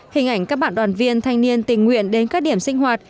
hình ảnh các bạn đoàn viên thanh niên tình nguyện đến các điểm sinh hoạt